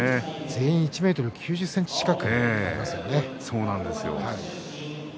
全員１ｍ９０ｃｍ近くありますね。